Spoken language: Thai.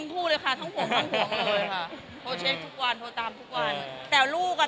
ทั้งผู้เลยค่ะทั้งห่วงทั้งห่วงเลยค่ะทุกวันโทรตามทุกวันแต่ลูกอะ